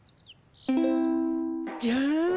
じゃん。